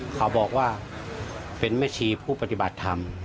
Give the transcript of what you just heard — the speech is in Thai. เขาบอกว่าเป็นแม่ชีผู้ปฏิบัติธรรม